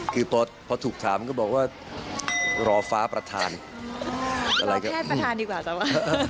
คือพอถูกถามก็บอกว่ารอฟ้าประธานรอแพทย์ประธานดีกว่าจ้ะวะ